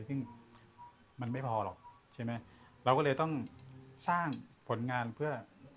ซึ่งมันไม่พอหรอกใช่ไหมเราก็เลยต้องสร้างผลงานเพื่อ